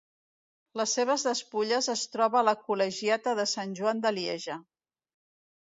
Les seves despulles es troba a la col·legiata de Sant Joan a Lieja.